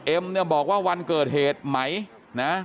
เนี่ยบอกว่าวันเกิดเหตุไหมนะ